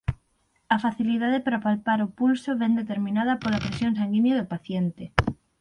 A facilidade para palpar o pulso vén determinada pola presión sanguínea do paciente.